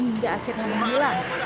hingga akhirnya bergerak ke bawah